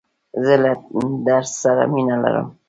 زه له درس سره مینه لرم.